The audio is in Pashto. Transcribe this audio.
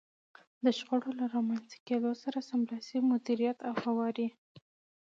د شخړو له رامنځته کېدو سره سملاسي مديريت او هواری.